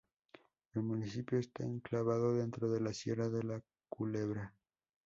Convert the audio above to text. El municipio está enclavado dentro de la sierra de la Culebra.